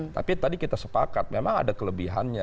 tapi tadi kita sepakat memang ada kelebihannya